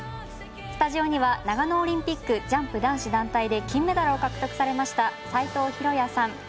スタジオには長野オリンピックジャンプ男子団体で金メダルを獲得されました齋藤浩哉さん。